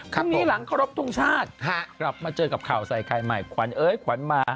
พรุ่งนี้หลังครบทรงชาติกลับมาเจอกับข่าวใส่ไข่ใหม่ขวัญเอ้ยขวัญมา